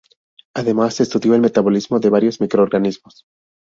Además estudió el metabolismo de varios microorganismos.